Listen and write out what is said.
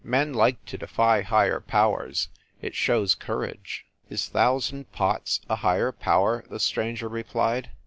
"Men like to defy higher powers it shows courage." "Is Thousand Pots a higher power ?" the stranger replied.